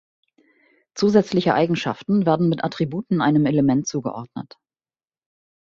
Zusätzliche Eigenschaften werden mit Attributen einem Element zugeordnet.